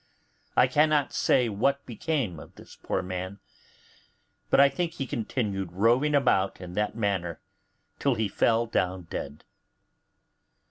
I cannot say what became of this poor man, but I think he continued roving about in that manner till he fell down and died.